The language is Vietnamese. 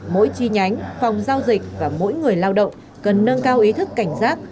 mỗi chi nhánh phòng giao dịch và mỗi người lao động cần nâng cao ý thức cảnh giác